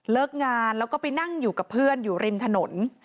งานแล้วก็ไปนั่งอยู่กับเพื่อนอยู่ริมถนน